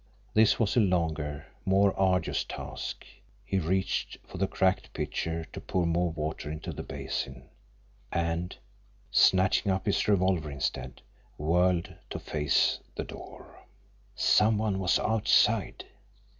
This was a longer, more arduous task. He reached for the cracked pitcher to pour more water into the basin and, snatching up his revolver instead, whirled to face the door. Some one was outside!